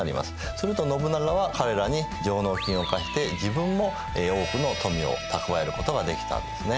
すると信長は彼らに上納金を課して自分も多くの富を蓄えることができたんですね。